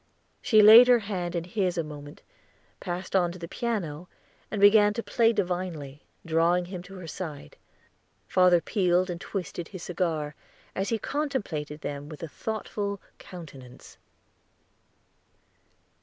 She laid her hand in his a moment, passed on to the piano, and began to play divinely, drawing him to her side. Father peeled and twisted his cigar, as he contemplated them with a thoughtful countenance.